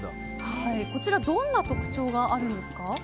こちら、どんな特徴があるんですか？